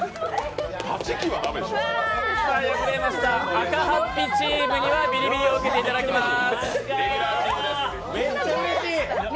赤法被チームにはビリビリを受けていただきます。